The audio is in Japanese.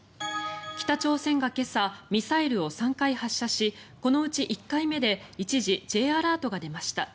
北朝鮮が今朝、ミサイルを３回発射しこのうち１回目で一時、Ｊアラートが出ました。